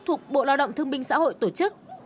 thuộc bộ lao động thương binh xã hội tổ chức